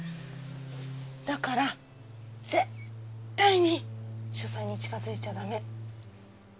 だから絶対に書斎に近づいちゃ駄目。